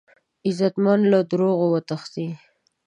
غیرتمند له دروغو وتښتي